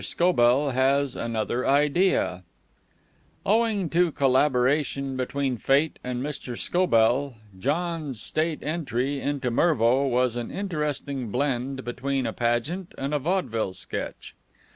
SCOBELL HAS ANOTHER IDEA Owing to collaboration between Fate and Mr. Scobell, John's state entry into Mervo was an interesting blend between a pageant and a vaudeville sketch.